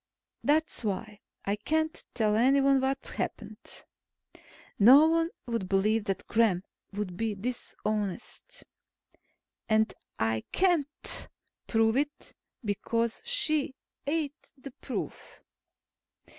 That's why I can't tell anyone what happened. No one would believe that Gremm would be dishonest. And I can't prove it, because she ate the proof.